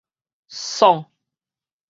爽